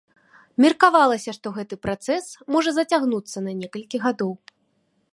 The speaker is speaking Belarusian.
Меркавалася, што гэты працэс можа зацягнуцца на некалькі гадоў.